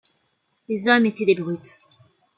Les hommes étaient des brutes.